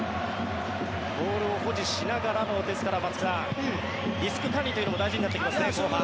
ボールを保持しながらのですから、松木さんリスク管理というのも大事になってきますね、後半。